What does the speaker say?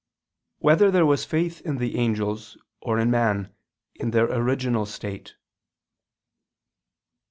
1] Whether There Was Faith in the Angels, or in Man, in Their Original State?